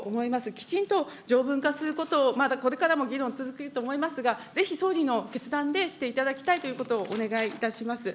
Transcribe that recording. きちんと条文化することを、またこれからも議論続けると思いますが、ぜひ総理の決断でしていただきたいということをお願いいたします。